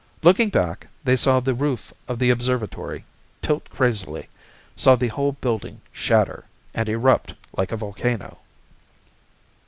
Looking back, they saw the roof of the observatory tilt crazily; saw the whole building shatter, and erupt like a volcano.